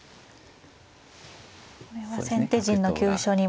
これは先手陣の急所にも。